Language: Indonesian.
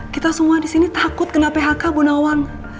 kita semua di sini takut kena phk bu nawang